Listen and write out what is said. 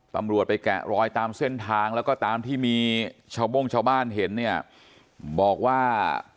ตำรวจไปแกะรอยตามเส้นทางแล้วก็ตามที่มีชาวโบ้งชาวบ้านเห็นเนี่ยบอกว่า